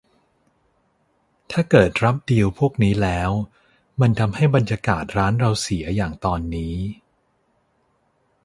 ถ้าเกิดรับดีลพวกนี้แล้วมันทำให้บรรยากาศร้านเราเสีย อย่างตอนนี้